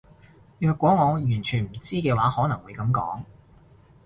若果我完全唔知嘅話可能會噉講